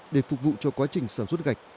để phục vụ cho quá trình sản xuất gạch